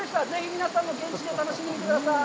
皆さんも、ぜひ現地で楽しんでみてください。